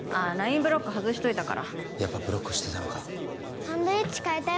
ブロック外しといたからやっぱブロックしてたのかサンドイッチ買えたよ